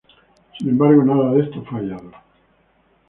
Sin embargo, nada de esto fue hallado.